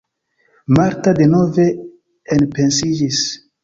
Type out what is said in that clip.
Marta denove enpensiĝis.